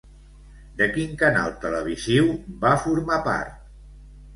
De quin canal televisiu va formar part?